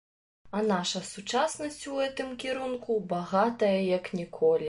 А наша сучаснасць у гэтым кірунку багатая як ніколі.